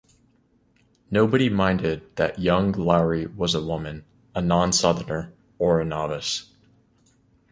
Nobody minded that young Laurie was a woman, a non-southerner, or a novice.